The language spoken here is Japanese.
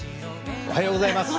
おはようございます。